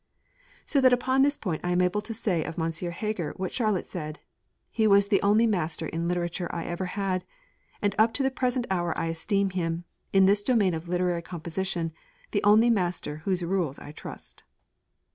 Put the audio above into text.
So that upon this point I am able to say of M. Heger what Charlotte said: he was the only master in literature I ever had; and up to the present hour I esteem him, in this domain of literary composition, the only master whose rules I trust.